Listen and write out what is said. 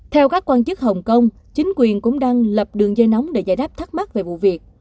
theo các quan chức hồng kông chính quyền cũng đang lập đường dây nóng để giải đáp thắc mắc về vụ việc